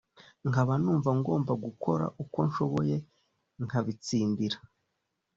nkaba numva ngomba gukora uko nshoboye nkabitsindira